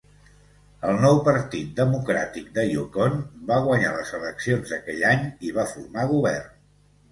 El Nou Partit Democràtic de Yukon va guanyar les eleccions d'aquell any i va formar govern.